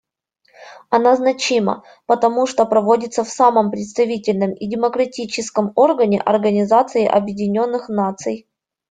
Она значима, потому что проводится в самом представительном и демократическом органе Организации Объединенных Наций.